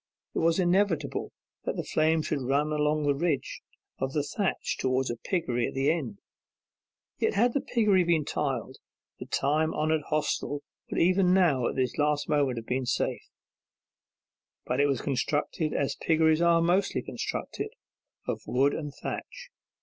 It was inevitable that the flame should run along the ridge of the thatch towards a piggery at the end. Yet had the piggery been tiled, the time honoured hostel would even now at this last moment have been safe; but it was constructed as piggeries are mostly constructed, of wood and thatch.